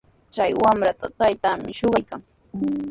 Chay wamrata taytanmi shuqaykan.